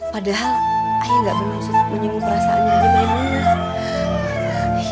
padahal ayah gak bermaksud menyungguh perasaan ayah di memunah